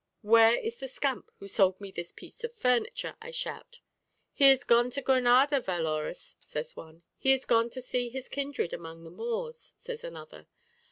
'Where is the scamp who has sold me this piece of furniture?' I shout. 'He is gone to Granada, valorous,' says one. 'He is gone to see his kindred among the Moors,' says another.